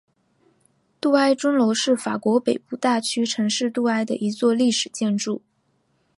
杜埃钟楼是法国北部大区城市杜埃的一座历史建筑。